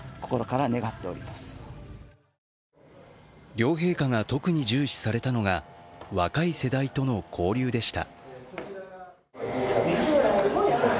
両陛下が特に重視されたのが若い世代との交流でした。